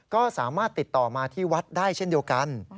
ก็สามารถติดต่อมาที่วัดได้เช่นเดียวกัน